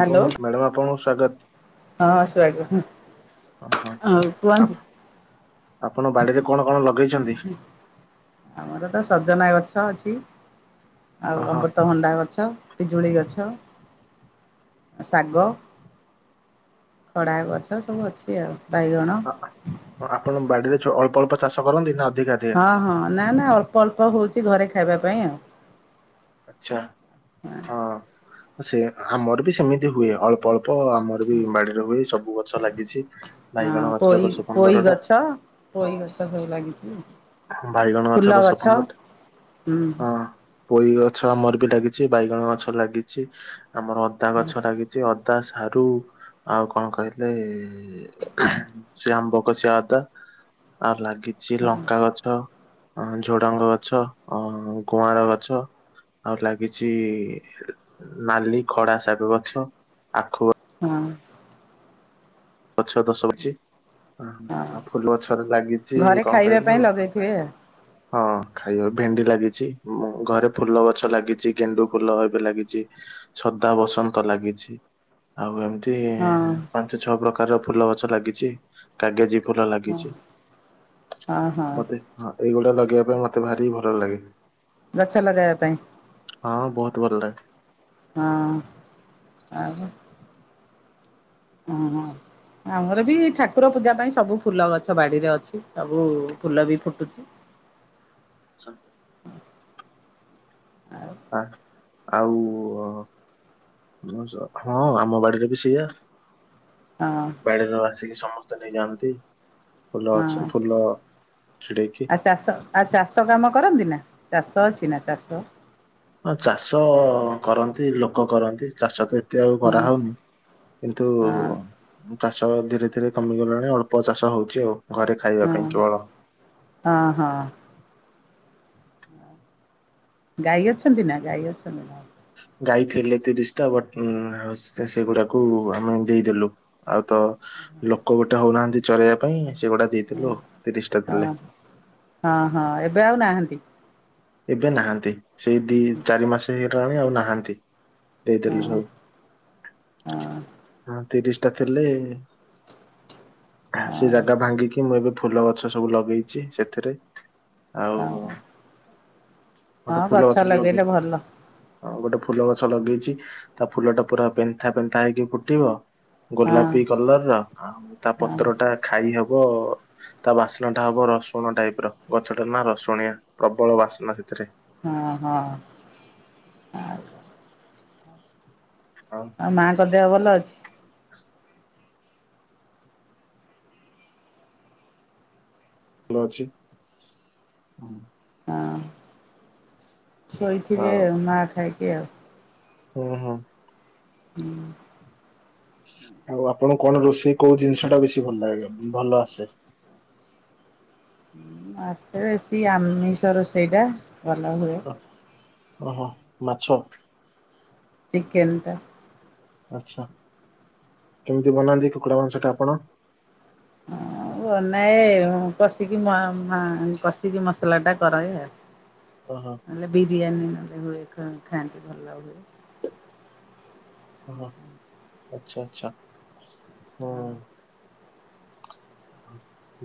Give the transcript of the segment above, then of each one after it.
Hello, madam ଆପଣଙ୍କୁ ସ୍ଵାଗତ। ହଁ ସୁଆଗ ହଁ। ଓହୋ ଆଉ ଆପ କୁହନ୍ତୁ? ଆପଣ ବାଡିରେ କଣ କଣ ଲଗେଇଛନ୍ତି? ଆମର ତ ସଜନା ଗଛ ଅଛି। ଆଉ ଓହୋ ଅମୃତଭଣ୍ଡା ଗଛ ପିଜୁଳି ଗଛ, ଶାଗ ଖଡା ଗଛ ସବୁ ଅଛି ଆଉ, ବାଇଗଣ ଆପଣ ବାଡିରେ ଅଳ୍ପ ଅଳ୍ପ ଚାଷ କରନ୍ତି ନା ଅଧିକା ଅଧିକା? ଅହଁ ନା ନା ଅଳ୍ପ ଅଳ୍ପ ହଉଛି ଘରେ ଖାଇବା ପାଇଁ ଆଉ। ଆଛା ହଁ ସେୟା ଆମର ବି ସେମିତି ହୁଏ ଅଳ୍ପ ଅଳ ପ ଆମର ବି ବାଡ଼ିରେ ହୁଏ ସବୁ ଗଛ ଲାଗିଛି ହଁ ବାଇଗଣ ପୋଇ ଗଛ ଦଶ ପୋଇ ପନ୍ଦର ଟା। ଗଛ ପୋଇ ଗଛ ସବୁ ଲାଗିଛି। ଆମ୍ ବାଇଗଣ ଫୁଲ ଅଛ ଦଶ ଗଛ ପନ୍ଦରଟା ହୁଁ ହଁ। ପୋଇ ଗଛ ଆମର ବି ଲାଗିଛି ବାଇଗଣ ଗଛ ଲାଗିଛି ଆମର ଅଦା ଗଛ ଲାଗିଛିଅ ଦା ସାରୁ ଆଉ କଣ କହିଲେ? ସେ ଆମ୍ବକସିଆ ଅଦା ଆଉ ଲାଗିଛି ଲଙ୍କ ଗଛ ଅ ଝୁଡ଼ଙ୍ଗ ଗଛ ଅ ଗୁଆଁର ଗଛ। ଆଉ ଲାଗିଛି ନାଲି ଖଡା ଶାଗ ଗଛ ଆଖୁ ଗ ହଁ। ଗଛ ଦଷ ଅଛି ହଁ ଆଉ ଫୁଲ ଗଛରେ ଲାଗିଛି ଘରେ କଣ ଖାଇବା କହିଲେ ପାଇଁ ଲଗେଇଥିବେ ହଁ ଖାଇବା ଭେଣ୍ଡି ଲାଗିଛି ମୁଁ ଘରେ ଫୁଲ ଗଛ ଲାଗିଛି ଗେଣ୍ଡୁ ଫୁଲ ଏବେ ଲାଗିଛି। ସଦା ବସନ୍ତ ଲାଗିଛି। ଆଉ ଏମତି ଆଉ ପାଞ୍ଚ ଛଅ ପ୍ରକାରର ଫୁଲ ଗଛ ଲାଗିଛି। କାଗେଜି ଫୁଲ ହଁ ଲାଗିଛି ହଁ ହଁ ହଁ ମତେ ହଁ ଏଇଗୁଡ଼ ଲଗେଇବା ପାଇଁ ମତେ ଭାରି ଭଲ ଲାଗେ। ଗଛ ଲଗେଇବା ପାଇଁ ହଁ ବହୁତ ଭଲ ଲାଗେ ହଁ ଆଉ ହୁଁ ହୁଁ ଆମର ବି ଠାକୁର ପୂଜା ପାଇଁ ସବୁ ଫୁଲ ଗଛ ବାଡ଼ିରେ ଅଛି ସବୁ ଫୁଲ ବି ଫୁଟୁଛି। ଛ ଆଉ ଆ ଆଉ [unintelligible] ହଁ ଆମ ବଡ଼ିରେ ବି ସେଇଆ। ହଁ। [unintelligible] ଆସିକି ସମସ୍ତେ ନେଇଯାଆନ୍ତି ଫୁଲ ଅଛି ହଁ ଫୁଲ ଛିଡେଇକି। ଆଉ ଚାଷ ଆଉ ଚାଷ କାମ କରନ୍ତି ନା ଚାଷ ଅଛି ନା ଚାଷ ହଁ ଚାଷ କରନ୍ତି ଲୋକ କରନ୍ତି ଚାଷ ତ ଏତେ ଆଉ ହଁ କରାହଉନି। କିନ୍ତୁ ହଁ ଚାଷ ଧୀରେ ଧୀରେ କମିଗଲାଣି ଅଳ୍ପ ଚାଷ ହଉଛି ଆଉ ଘରେ ଖାଇବା ପାଇଁ ହଁ କେବଳ ହଁ ହଁ। ଗାଈ ଅଛନ୍ତି ନା ଗାଈ ଅଛନ୍ତି ନା? ଗାଈ ଥିଲେ ତିରିଶ ଟା ବଟ୍ ଆଉ ସେ ସେଗୁଡ଼ାକୁ ଆମେ ଦେଇଦେଲୁ। ଆଉ ତ ଲୋକ ଗୋଟେ ହଉନାହାନ୍ତି ଚଳେଇବା ପାଇଁ ସେଗୁଡ଼ା ହଁ ହଁ ହଁ ହଁ ଏବେ ଆଉ ନାହାନ୍ତି? ଏବେ ନାହାନ୍ତି ସେଇ ଦି ଚାରି ମାସ ହେଇଗଲାଣି ଆଉ ନାହାନ୍ତି। ହଁ ଦେଇଦେଲୁ ହଁ ସବୁ ହଁ। ହଁ। ତିରିଶ ଟା ଥିଲେ ଆ ସେ ଜାଗା ଭାଙ୍ଗିକି ମୁଁ ଏବେ ଫୁଲ ଗଛ ସବୁ ଲଗେଇଛି ସେଥିରେ ଆଉ ହଁ ହଁ ଗୋଟେ ଫୁଲ ଗଛ ଗଛଟେ ଲଗେଇଲେ ଲଗେ ଭଲ ହଁ ଗୋଟେ ଫୁଲ ଗଛ ଲଗେଇଛି ତା ଫୁଲ ଟା ପୁରା ପେନ୍ଥା ପେନ୍ଥା ହେଇକି ଫୁଟିବ। ହଁ ଗୋଲାପି କଲର ର ଆଉ ତା ହଁ ପତ୍ର ଟା ଖାଇ ହବ ତା ବାସ୍ନା ଟା ହବ ରସୁଣ ଟାଇପ୍ ର ଗଛ ଟା ନା ରସୁଣିଆ। ପ୍ରବଳ ବାସ୍ନା ସେଥିରେ। ହଁ ହଁ। ଆଉ ଆଉ ମାଆଙ୍କ ଦେହ ଭଲ ଅଛି? ଲ ଅଛି ହୁଁ। ହଁ ଶୋଇଥିବେ ଆଉ ଆଇ ମା ଖାଇକି ଆଉ। ହୁଁ ହୁଁ। ହୁଁ। ଆଉ ଆପଣଙ୍କୁ କଣ ରୋଷେଇ କୋଉ ଜିନିଷ ଟା ବେଶୀ ଭଲ ଲାଗେ ଭଲ ଆସେ। ଆସେ ବେଶୀ ଆମିଷ ରୋଷେଇ ଟା ଭଲ ହୁଏ। ଓହୋ ମାଛ। ଚିକେନ୍ ଟା। ଆଚ୍ଛା କେମିତି ବନାନ୍ତି କୁକୁଡ଼ା ମାଂସ ଟା ଆପଣ। ହ ବନାଏ କଷିକି ମା ମା କଷିକି ମସଲା ଟା କରାଏ ଆଉ। ଓହୋ। ନହେଲେ ବିରିୟାନୀ ନହେଲେ ହୁଏ ଖ ଖାଆନ୍ତି ଭଲ ହୁଏ। ଓଃ ଆଚ୍ଛା ଆଚ୍ଛା ହଁ।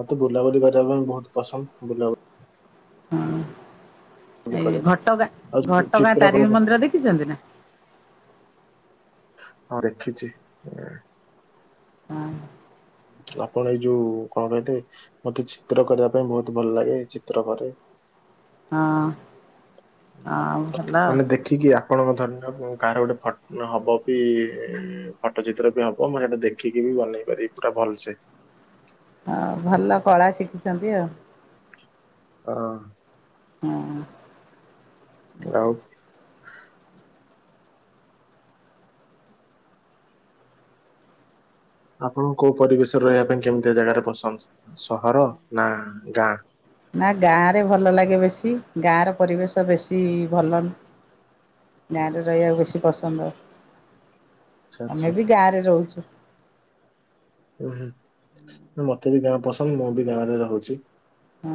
ମତେ ବୁଲାବୁଲି କରିବା ପାଇଁ ବହୁତ ପସନ୍ଦ ବୁଲାବୁ ହଁ ଏଇ କରେ ଘଟଗାଁ ଆଉ ଚି- ଘଟଗାଁ ଚିତ୍ର ତାରିଣୀ କରିବା ମନ୍ଦିର ଦେଖିଚନ୍ତି ନା। ହଁ ଦେଖିଛି ଏଁ। ହଁ। ଆପଣ ଏଇ ଯୋଉ କଣ କହିଲେ ମତେ ଚିତ୍ର କରିବା ପାଇଁ ବହୁତ ଭଲ ଲାଗେ ଚିତ୍ର କରେ। ହଁ। ହଁ ଭଲ। ମାନେ ଦେ ଖିକି ଆପଣଙ୍କ ଧରି ନିଅନ୍ତୁ କାହାର ଗୋଟେ ଫଟୋ ହବ ବି ଫଟୋ ଚିତ୍ର ବି ହବ ମାନେ ଏଟା ଦେଖି ଖିକି ବି ବନେଇ ପାରିବି ପୁରା ଭଲସେ। ହଉ ଭଲ କଳା ଶିଖିଚନ୍ତି ଆଉ। ହଁ। ହଁ। ଆଉ। ଆପଣଙ୍କୁ କୋଉ ପରିବେଶରେ ରହିବା ପାଇଁ କେମିତିଆ ଜାଗାରେ ପସନ୍ଦ ସହର ନା ଗାଁ। ନା ଗାଁ ରେ ଭଲ ଲାଗେ ବେଶୀ ଗାଁ ର ପରିବେଶ ବେଶୀ ଭଲ ଗାଁରେ ରହିବାକୁ ବେଶୀ ପସନ୍ଦ ଆଚ୍ଛା ଆଚ୍ଛା ଆମେ ବି ଗାଁରେ ରହୁଚୁ। ଉହୁଁ ମୋତେ ବି ଗାଁ ପସନ୍ଦ ମୁଁ ବି ଗାଁରେ ରହୁଚି। ହୁଁ।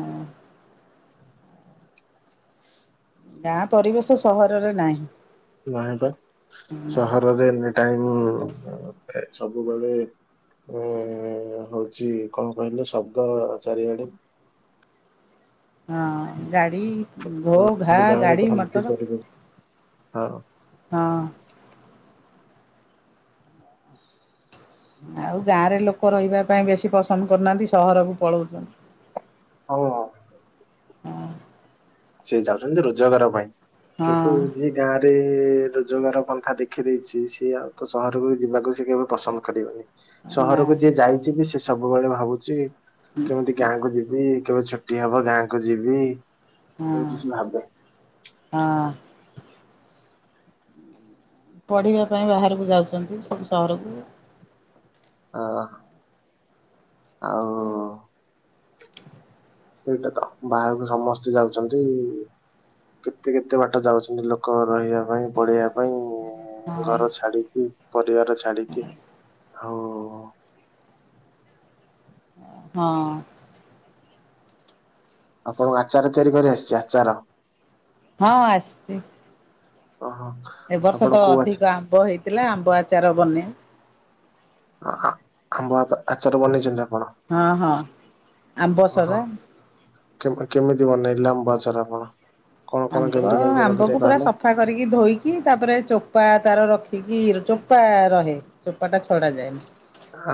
ଗାଁ ପରିବେଶ ସହରରେ ନାହିଁ। ନାହିବା ହଁ ସହରରେ ଏନି ଟାଇମ୍ ସବୁବେଳେ ଉଁ ହଉଚି କଣ କହିଲେ ଶବ୍ଦ ଚାରିଆଡେ। ହଁ ଗାଡ଼ି ଘୋ ଘା କିନ୍ତୁ ଗାଡ଼ି ମଟର ହଁ। ହଁ। ଆଉ ଗାଁରେ ଲୋକ ରହିବା ପାଇଁ ବେଶୀ ପସନ୍ଦ କରୁନାହାନ୍ତି ସହରକୁ ପଳଉଚନ୍ତି। ହଉ ହଁ। ହଁ ସେ ଯାଉଚନ୍ତି ରୋଜଗାର ପାଇଁ ହଁ କିନ୍ତୁ ଯିଏ ଗାଁ ରେ ରୋଜଗାର ପନ୍ଥା ଦେଖିଦେଇଛି ସିଏ ଆଉ ତ ସହରକୁ ଯିବାକୁ ସେ କେବେ ପସନ୍ଦ କରିବନି। ନାଇଁ ସହରକୁ ଯିଏ ଯାଇଛି ବି ସେ ସବୁବେଳେ ଭାବୁଛି କେମିତି ଗାଁ କୁ ଯିବି କେବେ ଛ ଟି ହବ ଗାଁକୁ ଯିବି। ଏମିତି ସେ ଭାବେ ହଁ ହଁ। ପଢ଼ିବା ପାଇଁ ବାହାରକୁ ଯାଉଛନ୍ତି ସବୁ ସହରକୁ। ଆହ। ଆଉ ସେଇଟା ତ ବାହାରକୁ ସମସ୍ତେ ଯାଉଛନ୍ତି କେତେ କେତେ ବାଟ ଯାଉଚନ୍ତି ଲୋକ ରହିବା ପାଇଁ ପଢିବା ପାଇଁ ହଁ ଘର ଛାଡିକି ପରିବାର ଛାଡିକି ଆଉ ହଁ। ଆପଣଙ୍କୁ ଆଚାର ତିଆରି କରି ଆସିଚି ଆଚାର। ହଁ ଆସିଚି। ଓହୋ ଏ ବର୍ଷ ଆପଣ ତ କୋଉ ଆଚାର ଅଧିକ ଆମ୍ବ ହେଇଥିଲା ଆମ୍ବ ଆଚାର ବନେ ଆମ୍ବ ଆଚର ବନେଇଛନ୍ତି ଆପଣ? ହଁ ହଁ ଆମ୍ବ ଓହୋ ସରା କେମିତି ବନେଇଲେ ଆଚାର ଆପଣ କଣ କଣ ଆମ୍ବ କେମିତି କେମିତି ମତେ ଆମ୍ବକୁ ଟିକେ ପୁରା କହିଲେ? ସଫା କରିକି ଧୋଇକି ତାପରେ ଚୋପା ତାର ରଖିକି ଚୋପା ରହେ ଚୋପାଟା ଛଡ଼ାଯାଏ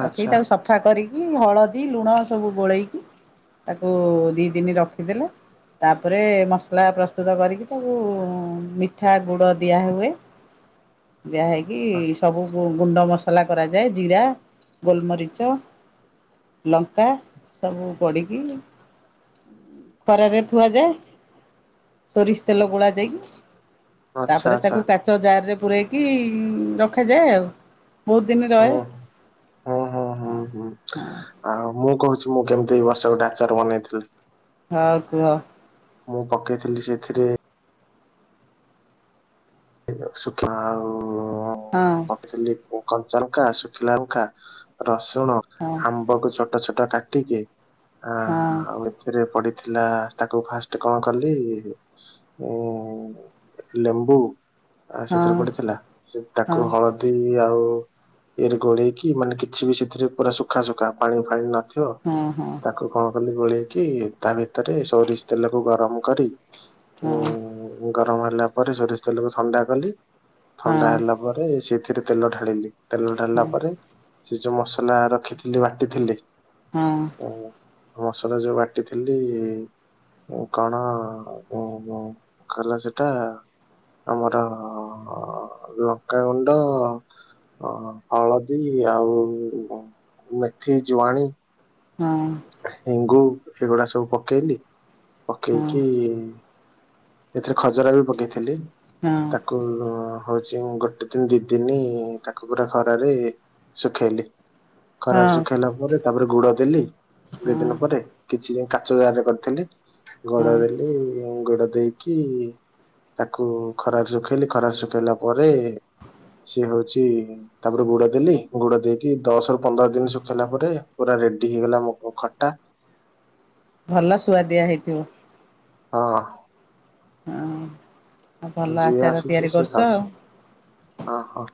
ରଖିକି ଆଚ୍ଛା ତାକୁ ସଫା କରିକି ହଳଦୀ ଲୁଣ ସବୁ ଗୋଳେଇକି ତାକୁ ଦିଇ ଦିନି ରଖିଦେଲେ ତାପରେ ମସଲା ପ୍ରସ ସ୍ତୁତ କରିକି ତାକୁ ମିଠା ଗୁଡ଼ ଦିଆହୁଏ ଦିଆ ହେଇକି ସବୁ ଗୁଣ୍ଡ ମସଲା କରାଯାଏ ଜିରା ଗୋଲମରିଚ ଲଙ୍କା ସବୁ ଗଡିକି ଖରାରେ ଥୁଆଯାଏ। ସୋରିଷ ତେଲ ଗୋଳା ଯାଇକି ଆଚ୍ଛା ତାପରେ ଆଚ୍ଛା ତାକୁ କା ଚ ଜାର ରେ ପୂରେଇକି ରଖାଯାଏ ଆଉ ବହୁତ ଦିନ ରହେ। ହଁ ହଁ ହୁଁ ହୁଁ ଆଉ ମୁଁ କହୁଛି ମୁଁ କେମିତି ଏଇ ବର୍ଷ ଗୋଟେ ଆଚାର ବନେଇଥିଲି ହଁ କୁହ ମୁଁ ପକେଇଥିଲି ସେଥିରେ ଶୁଖା ଆଉ ହଁ ପଟି ଥିଲି କଞ୍ଚା ଲଙ୍କା ଶୁଖିଲା ଲଙ୍କା ରସୁଣ ହଁ ହଁ ଆମ୍ବ କୁ ଚଟି ଛୋଟ ଛୋଟ କାଟିକି ହଁ। ରେ ପଡିଥିଲା ତାକୁ ଫାଷ୍ଟ କଣ କଲି ଉ ଲେମ୍ବୁ ହଁ ହଁ ସେଥିରେ ପଡିଥିଲା ସେ ହଁ ହଁ ତାକୁ ହଳଦୀ ଆଉ ଇଏରେ ଗୋଳେଇକି ମାନେ କିଛି ବି ସେଥିରେ ପୁରା ଶୁଖା ସୁୁଖା ପାଣି ଫାଣି ନଥିବ ହଁ ହଁ ହଁ ତାକୁ କଣ କଲି ଗୋଳେଇକି ତା ଭିତରେ ସୋରିଷ ତେଲକୁ ଗରମ କରି ହଁ ହଁ। ଉ ଗରମ ହେଲା ପରେ ସୋରିଷ ତେଲକୁ ଥଣ୍ଡା କଲି ହଁ ଥଣ୍ଡା ହେଲା ପରେ ତା ପରେ ସେଥିରେ ତେଲ ଢାଳିଲି ତେଲ ଢାଳିଲା ପରେ ସେ ଯୋଉ ମସଲା ରଖିଥିଲି ବାଟିଥିଲି ହଁ ଓ ମସଲା ଯୋଉ ବାଟିଥିଲି କଣ କଲା ସେଟା ଆମର ଲଙ୍କା ଗୁଣ୍ଡ ଆଉ ଅ ହଳଦୀ ଆଉ ମେଥି ଜୁଆଣି ହଁ ହେଙ୍ଗୁ ଏଗୁଡା ସବୁ ପକେଇଲି ପକେଇକି ଏଥିରେ ଖଜରା ବି ପକେଇଥିଲି। ହଁ ଉହୁ ହଉଛି ଗୋଟେ ଦିନ ଦି ଦିନ ତାକୁ ପୁରା ଖରାରେ ଶୁଖେଇଲି ଖରାରେ ହଁ ଶୁଖେଇଲା ପରେ ତାପରେ ଗୁଡ ଦେଲି ଦି ଦିନ ପରେ। କିଛି ଯାଏଁ କାଚ ଜାରରେ କରିଥିଲି ଗୋଡ ଦେଲି ଗୋଡ ଦେଇ କି ତାକୁ ଖରା ରେ ଶୁଖେଇଲି ଖରା ରେ ଶୁଖେଇଲା ପରେ ସେ ହଉ ଚି ତାପରେ ଗୁଡ ଦେଲି ଗୁଡ ଦେଇକି ଦଶ ରୁ ପନ୍ଦର ଦିନ ଶୁଖେଇଲା ପରେ ପୁରା ରେଡି ହେଇଗଲା ମୋ ଖଟା। ଭଲ ଶୁଆଦିଆ ହେଇଥିବ। ହଁ ହଁ ଭଲ ଯିଏ ଆଚାର ଆସୁଛି ତିଆରି ସିଏ କରୁଚ ଖାଉଛି ଆଉ। ହଁ ହଁ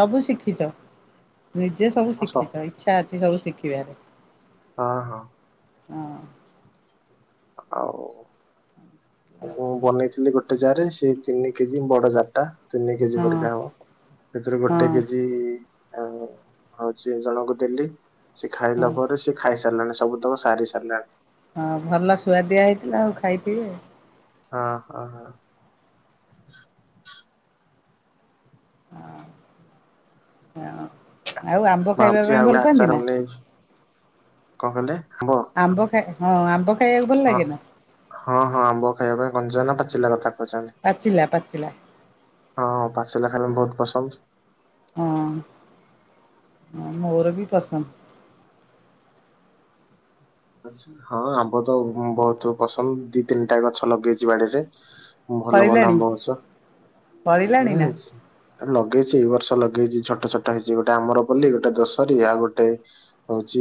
ସବୁ ଶିଖିଚ। ନିଜେ ସବୁ ଆସ ଶିଖିବ ଇଚ୍ଛା ଅଛି ସବୁ ଶିଖିବାରେ ହଁ ହଉ ମୁଁ ବନେଇଥିଲି ଗୋଟେ ଜାରେ ସେ ତିନି କେଜି ବଡ ଜାରଟା ତିନି କେଜି ହଁ ପରିକା ହବ। ଏଥିରୁ ଗୋଟେ ହଁ କେଜି ଆଁ ହଉଛି ଜଣଙ୍କୁ ଦେଲି ସେ ଖାଇଲା ପରେ ସେ ଖାଇ ସାରିଲାଣି ସବୁ ତକ ସାରି ସାରିଲାଣି। ହଁ ଭଲ ସୁୁଆଦିଆ ହେଇଥିଲା ଆଉ ଖାଇଥିବେ। ହଁ ହଁ ହଁ। ହଁ ହ ଆଉ ମୁଁ ଆମ୍ବ ଖାଇବା ଭାବୁଛି ଆଉ ପାଇଁ ଗୋଟେ ଭଲ ପାଆନ୍ତି ଆଚାର ନା? ବନେଇବି କଣ କହିଲେ ଆମ୍ବ। ଆମ୍ବ ଖାଇ ହଁ ଆମ୍ବ ଖାଇବାକୁ ଭଲ ହଁ ଲାଗେନା? ହଁ ହଁ ଆମ୍ବ ଖାଇବା ପାଇଁ କଞ୍ଚା ନା ପାଚିଲା କଥା କହୁଛନ୍ତି? ପାଚିଲା ପାଚିଲା। ହଁ ପାଚିଲା ଖାଇବା ପାଇଁ ବହୁତ ପସନ୍ଦ। ହଁ ମୋର ବି ପସନ୍ଦ। ହଁ ଆମ୍ବ ତ ବହୁତ ପସନ୍ଦ ଦି ତିନିଟା ଗଛ ଲଗେଇଛି ବାଡିରେ। ଭଲ ଭଲ ଫଳିଲାଣି ଆମ୍ବ ଗଛ ଫଳିଲାଣି ନା [inaudible] ଲଗେଇଛି ଏଇ ବର୍ଷ ଲଗେଇଛି ଛୋଟ ଛୋଟ ହେଇଛି ଗୋଟେ ଆମରପଲୀ ଗୋଟେ ଦଶହରୀ ଆଉ ଗୋଟେ ହଉଛି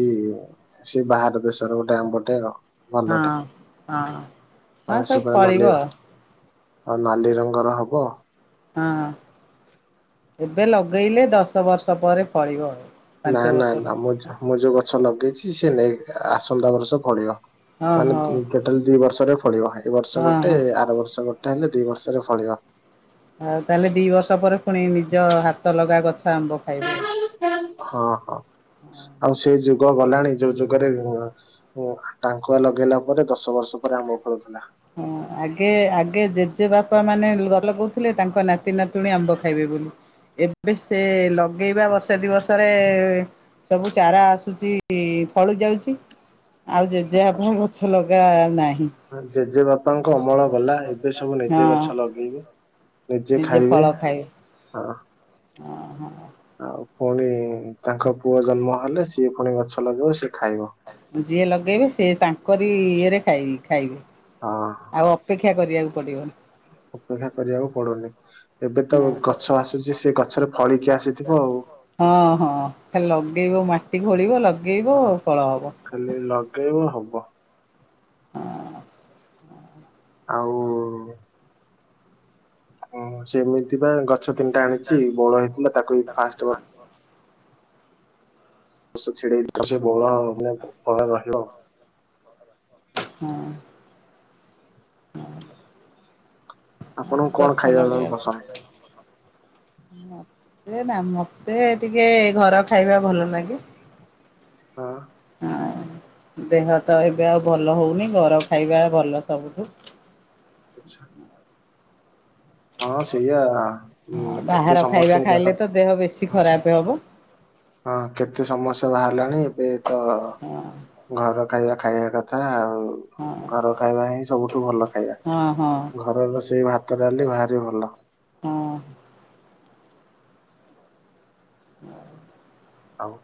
ସେ ବାହାର ଦେଶର ଗୋଟେ ଆମ୍ବଟେ ଆଉ ଭଲଟେ [inaudible] ହଁ ହଁ। ହଁ ସବୁ ଫଳିବ ଆଉ ନାଲି ରଙ୍ଗର ହବ। ହଁ ଏବେ ଲଗେଇଲେ ଦଶ ବର୍ଷ ପରେ ଫଳିବ ଆଉ ନା ପାଞ୍ଚ ନା ବର୍ଷର ନା ମୁଁ ମୁଁ ଯୋଉ ଗଛ ଲଗେଇଛି ସିଏ ନେଇ ନେ ଆସନ୍ତା ବର୍ଷ ଫଳିବ। ହଁ ମାନେ ହଉ ଟୋଟାଲ ଦି ବର୍ଷରେ ଫଳିବ ଏଇ ବର୍ଷ ହଁ ଗୋଟେ ହଁ। ଆର ବର୍ଷ ଗୋ ଟେ ତାହେଲେ ଦି ବର୍ଷରେ ଫଳିବ। ଆଉ ତାହେଲେ ଦି ବର୍ଷ ପରେ ପୁଣି ନିଜ ହାତ ଲଗା ଗଛ ଆମ୍ବ ଖାଇବ ଆଉ ହଁ ହଁ ଆଉ ସେଇ ଯୁଗ ଗଲାଣି ଯୋଉ ଯୁଗରେ ଟାଙ୍କୁଆ ଲଗେଇଲା ପରେ ଦଶ ବର୍ଷ ପରେ ଆମ୍ବ ଫଳୁଥିଲା। ହଁ ଆଗେ ଆଗେ ଜେଜେ ବାପା ମାନେ ରୁଆ ଲଗଉଥିଲେ ତାଙ୍କ ନାତି ନାତୁଣୀ ଆମ୍ବ ଖାଇବେ ବୋଲି। ଏବେ ସେ ଲଗେଇବା ବର୍ଷା ଦିବର୍ଷରେ ସବୁ ଚାରା ଆସୁଚି ଫଳି ଯାଉଛି ଆଉ ଜେଜେବାପା ଗଛ ଲଗ ଲଗାନାହିଁ। ଜେଜେ ବାପ ବାପାଙ୍କ ଅମଳ ଗଲା ଏବେ ସବୁ ନିଜେ ହଁ ଗଛ ଲଗେଇବି ନିଜେ ଖାଇବେ। ହଁ ଓହୋ ଆଉ ପୁଣି ତାଙ୍କ ପୁଅ ଜନ୍ମ ହେଲେ ସିଏ ପୁଣି ଗଛ ଲଗେଇବ ସିଏ ଖାଇବ। ଯିଏ ଲଗେଇବେ ସିଏ ତାଙ୍କରି ଇଏରେ ଖାଇବେ ହଁ ଆଉ ଅପେକ୍ଷା କରିବାକୁ ପଡିବନି। ଅପେକ୍ଷା କରିବାକୁ ପଡୁନି ଏବେ ତ ନା। ଗଛ ଆସୁଛି ସେ ଗଛରେ ଫଳିକି ଆସିଥିବ ଆଉ ହଁ ହଁ ଖାଲି ଲଗେଇବ ମାଟି ଖୋଳିବ ଲଗେଇବ ହଁ ଫଳ ହବ। ଖାଲି ଲଗେଇବ ହବ। ହଁ। ଆଉ ହ ସେମିତି ବା ଗଛ ତିନିଟା ଆଣିଛି ବୋଳ ହେଇଥିଲା ତାକୁ ଫାଷ୍ଟ ଛିଡେଇଥ ସେ ବଳ ମାନେ ଭଲ ରହିବ। ହଁ। ହ ଆପଣଙ୍କୁ କଣ ଗଛ ଖାଇବା ପାଇଁ ଲଗେଇବ। ପସନ୍ଦ ମତେ ନା ମତେ ଟିକେ ଘର ଖାଇବା ଭଲ ଲାଗେ। ହୁଁ। ହଁ ଦେହ ତ ଏବେ ଆଉ ଭଲ ହଉନି ଘର ଖାଇବା ଭଲ ସବୁଠୁ। ଆଚ୍ଛା। ହଁ ସେଇଆ ହଁ କେତେ ବାହାର ଖାଇବା ସମସ୍ୟା ଖାଇଲେ ଯାହା ତ ଦେହ ବେଶୀ ଖରାପ ହବ ହଁ କେତେ ସମସ୍ୟା ବାହାରିଲାଣି ଏବେ ତ ହଁ ଘର ଖାଇବା ଖାଇବା କଥା ଆଉ। ହଁ ଘର ଖାଇବା ହିଁ ସବୁଠୁ ଭଲ ଖାଇବା ହଁ ହଁ ଘର ର ସେଇ ଭାତ ଡାଲି ଭାରି ଭଲ। ହଁ। ହଁ ଆଉ।